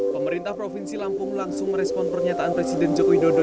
pemerintah provinsi lampung langsung merespon pernyataan presiden jokowi dodo